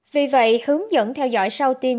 vì vậy hướng dẫn theo dõi sau tiêm